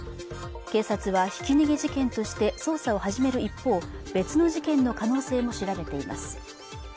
警察はひき逃げ事件として捜査を始める一方別の事件の可能性も調べています